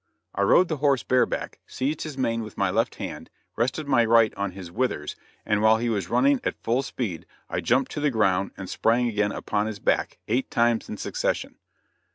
I rode the horse bareback; seized his mane with my left hand, rested my right on his withers, and while he was going at full speed, I jumped to the ground, and sprang again upon his back, eight times in succession.